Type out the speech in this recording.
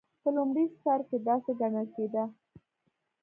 په لومړي سر کې داسې ګڼل کېده.